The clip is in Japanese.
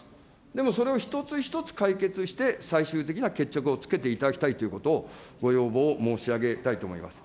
でもそれを一つ一つ解決して、最終的な決着をつけていただきたいということを、ご要望申し上げたいと思います。